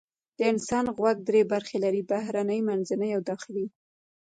د انسان غوږ درې برخې لري: بهرنی، منځنی او داخلي.